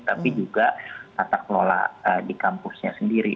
tapi juga tata kelola di kampusnya sendiri